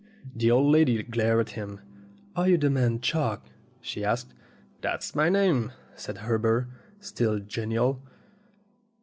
The old lady glared at him. "Are you the man Chalk?" she asked. "That's my name," said Herbert, still genial.